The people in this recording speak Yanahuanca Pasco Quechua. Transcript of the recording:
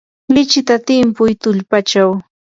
lichita timpuy tullpachaw.